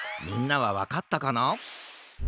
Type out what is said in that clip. みんなはわかったかな？